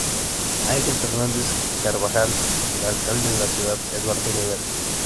Ángel Fernández Carvajal y el alcalde de la ciudad Eduardo Rivera.